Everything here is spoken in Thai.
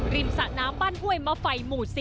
สะน้ำบ้านห้วยมะไฟหมู่๔